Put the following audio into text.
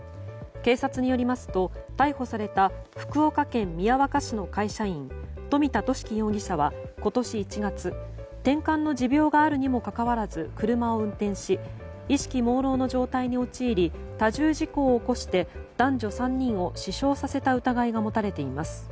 警察によりますと逮捕された福岡県宮若市の会社員冨田稔喜容疑者は今年１月てんかんの持病があるにもかかわらず、車を運転し意識朦朧の状態に陥り多重事故を起こして男女３人を死傷させた疑いが持たれています。